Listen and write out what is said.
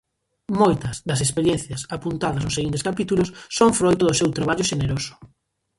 Moitas das experiencias apuntadas nos seguintes capítulos son froito do seu traballo xeneroso.